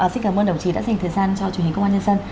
xin cảm ơn đồng chí đã dành thời gian cho chủ nghĩa công an nhân dân